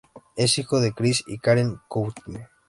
Es hijo de Chris y Karen Courtney.